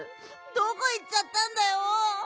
どこいっちゃったんだよ。